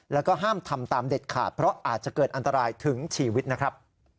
แล้วก็ห้ามทำตามเด็ดขาดเพราะอาจจะเกิดอันตรายถึงชีวิตนะครับ